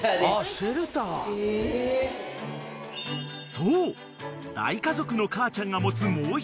［そう大家族の母ちゃんが持つ］